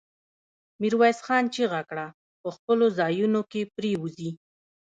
ميرويس خان چيغه کړه! په خپلو ځايونو کې پرېوځي.